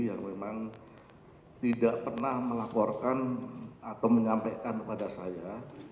yang memang tidak pernah melaporkan atau menyampaikan kepada saya